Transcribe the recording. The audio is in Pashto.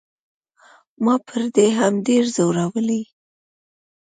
ما پر دې هم ډېر زورولی.